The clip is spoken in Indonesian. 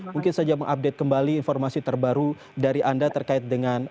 mungkin saja mengupdate kembali informasi terbaru dari anda terkait dengan